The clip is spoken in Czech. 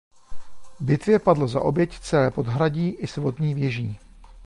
Bitvě padlo za oběť celé Podhradí i s Vodní věží.